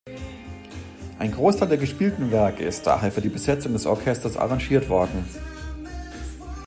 Ein Großteil der gespielten Werke ist daher für die Besetzung des Orchesters arrangiert worden.